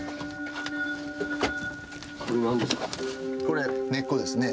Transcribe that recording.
これ何ですか？